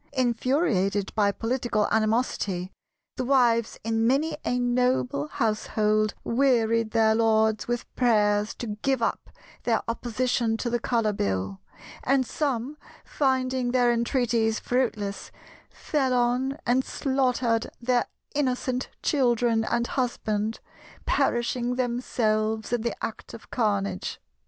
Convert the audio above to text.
Infuriated by political animosity, the wives in many a noble household wearied their lords with prayers to give up their opposition to the Colour Bill; and some, finding their entreaties fruitless, fell on and slaughtered their innocent children and husband, perishing themselves in the act of carnage.